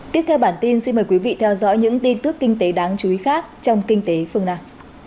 tiếp theo bản tin xin mời quý vị theo dõi những tin tức kinh tế đáng chú ý khác trong kinh tế phương nam